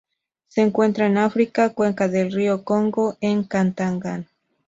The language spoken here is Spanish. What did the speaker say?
Se encuentran en África: cuenca del río Congo en Katanga.